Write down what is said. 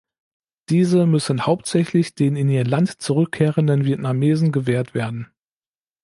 Diese müssen hauptsächlich den in ihr Land zurückkehrenden Vietnamesen gewährt werden.